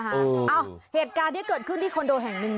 เอ้าเหตุการณ์ที่เกิดขึ้นที่คอนโดแห่งหนึ่ง